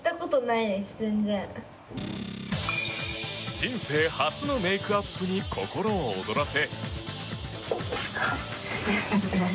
人生初のメイクアップに心を躍らせ。